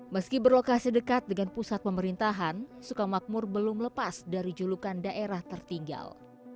meski berlokasi dekat dengan pusat pemerintahan sukamakmur belum lepas dari julukan daerah tertinggal